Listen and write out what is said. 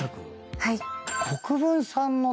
はい。